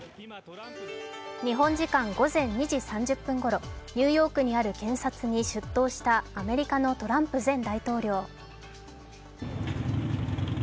日本時間午前２時３０分ごろニューヨークにある検察に出頭したアメリカのトランプ前大統領。